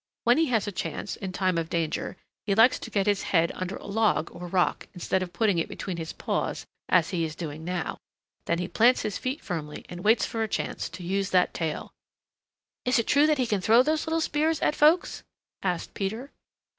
When he has a chance, in time of danger, he likes to get his head under a log or rock, instead of putting it between his paws as he is doing now. Then he plants his feet firmly and waits for a chance to use that tail." "Is it true that he can throw those little spears at folks?" asked Peter.